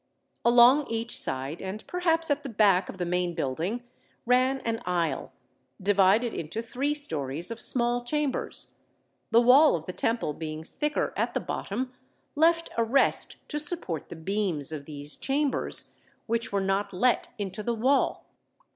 Along each side, and perhaps at the back of the main building, ran an aisle, divided into three stories of small chambers: the wall of the Temple being thicker at the bottom, left a rest to support the beams of these chambers, which were not let into the wall.